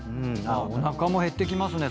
おなかも減ってきますね